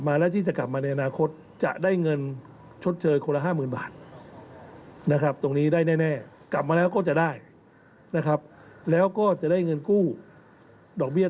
ไม่ต้องห่วงนะแรงงานไทยที่กลับมาก่อนหน้านี้